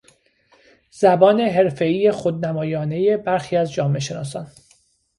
زبان حرفهای خودنمایانهی برخی از جامعه شناسان